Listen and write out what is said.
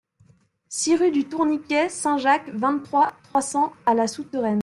six rue du Tourniquet Saint-Jacques, vingt-trois, trois cents à La Souterraine